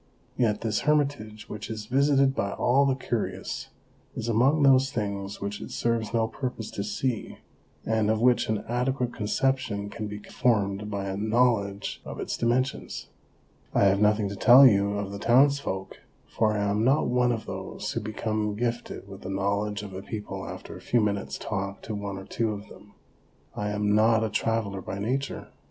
Yet this hermitage, which is visited by all the curious, is among those things which it serves no purpose to see, and of which an adequate conception can be formed by a knowledge of its dimensions. I have nothing to tell you of the townsfolk, for I am not one of those who become gifted with the knowledge of a people after a few minutes' talk to one or two of them. I am not a traveller by nature.